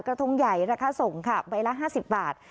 ทงใหญ่ราคาส่งค่ะใบละ๕๐บาท